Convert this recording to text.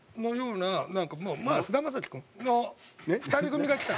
菅田将暉君の２人組が来た。